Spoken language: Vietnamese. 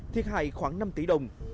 thiệt hại khoảng năm tỷ đồng